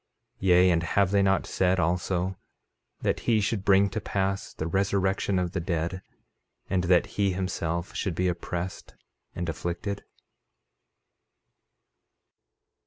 13:35 Yea, and have they not said also that he should bring to pass the resurrection of the dead, and that he, himself, should be oppressed and afflicted?